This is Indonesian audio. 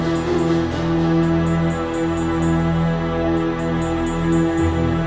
dengan ny highness dan hospital yangcola lahikeh ini